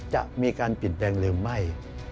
จะมีการปิดแปลงหรือไม่